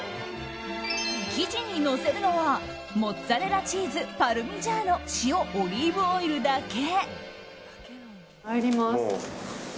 生地にのせるのはモッツァレラチーズパルミジャーノ塩、オリーブオイルだけ。